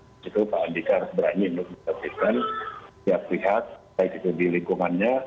disitu pak andika berani untuk mencarikan pihak pihak baik itu di lingkungannya